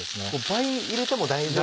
倍入れても大丈夫？